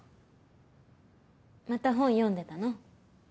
また本読んでたの？